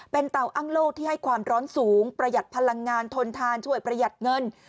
เป็นเตาอ้างโลกที่ให้ความร้อนสูงประหยัดพลังงานทนทานช่วยประหยัดเงิน